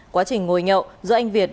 quá trình ngồi nhậu giữa anh việt